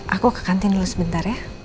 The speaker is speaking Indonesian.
aku ke kantin dulu sebentar ya